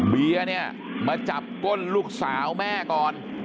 เบียเนี่ยมาจับก้นลูกสาวแม่ก่อน